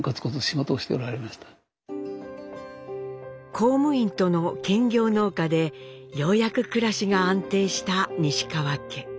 公務員との兼業農家でようやく暮らしが安定した西川家。